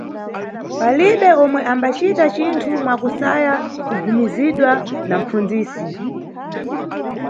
Palibe omwe ambacita cinthu mwakusaya kubvumizidwa na mʼpfundzisi.